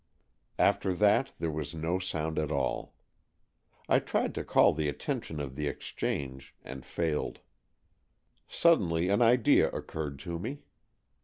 After that there was no sound at all. I tried to call the attention of the exchange and failed. Suddenly an idea occurred to me.